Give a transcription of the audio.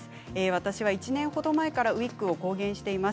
私は１年ほど前からウイッグを公言しています。